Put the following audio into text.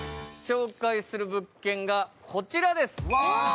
紹介する物件がこちらです。